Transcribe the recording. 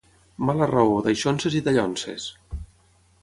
Mala raó, daixonses i dallonses.